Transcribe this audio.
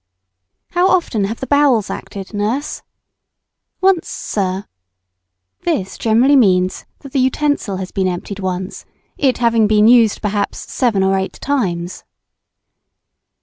"How often have the bowels acted, nurse?" "Once, sir." This generally means that the utensil has been emptied once, it having been used perhaps seven or eight times.